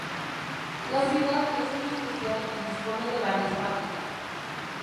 La ciudad es muy industrial y dispone de varias fábricas.